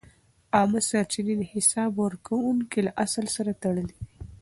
عامه سرچینې د حساب ورکونې له اصل سره تړلې دي.